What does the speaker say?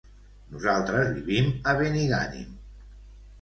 Nosaltres vivim a Benigànim.